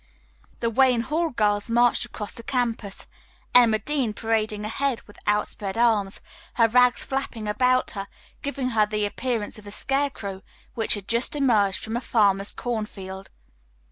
The Wayne Hall girls marched across the campus, Emma Dean parading ahead with outspread arms, her rags flapping about her, giving her the appearance of a scarecrow which had just emerged from a farmer's cornfield.